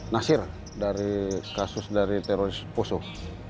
nasir dari kasus dari teroris poso